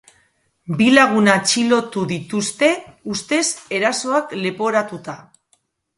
Bi lagun atxilotu dituzte, ustez, erasoak leporatuta.